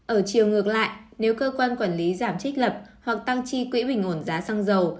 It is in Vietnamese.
ở chiều ngược lại nếu cơ quan quản lý giảm trích lập hoặc tăng chi quỹ bình ổn giá xăng dầu